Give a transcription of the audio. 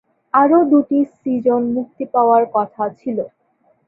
আরও দুটি সিজন মুক্তি পাওয়ার কথা ছিল।